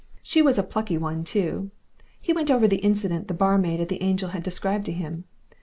She was a plucky one too. He went over the incident the barmaid at the Angel had described to him.